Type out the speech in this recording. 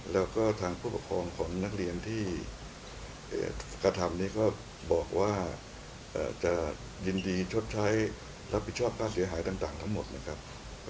แล้วก็ทางผู้ปกครองของนักเรียนที่กระทำนี้ก็บอกว่าจะยินดีชดใช้รับผิดชอบค่าเสียหายต่างทั้งหมดนะครับ